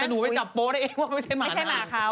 แต่หนูไปจับโป๊ได้เองว่าไม่ใช่หมาใช่หมาเขา